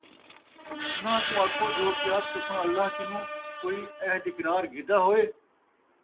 اُنھاں کوں آکھو، جو کیا تُساں اللہ کنوں کوئی عہد اِقرار گِھدا ہوئے،